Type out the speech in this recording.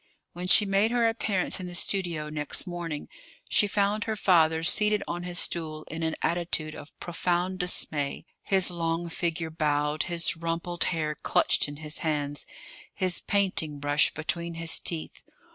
When she made her appearance in the studio next morning, she found her father seated on his stool in an attitude of profound dismay, his long figure bowed, his rumpled hair clutched in his hands, his painting brush between his teeth.